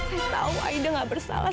kita tahu aida gak bersalah